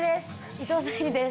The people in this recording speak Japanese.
伊藤沙莉です。